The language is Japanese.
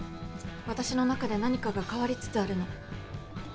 私の中で何かが変わりつつあるの。